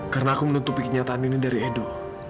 karena aku menutupi kenyataan ini dari edo